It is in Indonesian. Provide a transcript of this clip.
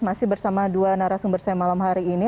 masih bersama dua narasumber saya malam hari ini